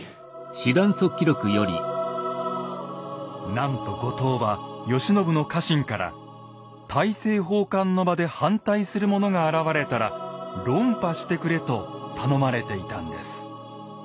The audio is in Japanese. なんと後藤は慶喜の家臣から大政奉還の場で反対する者が現れたら論破してくれと頼まれていたんです。